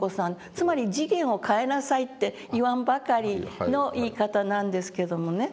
つまり次元を変えなさいって言わんばかりの言い方なんですけどもね。